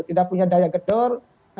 tidak punya daya gedor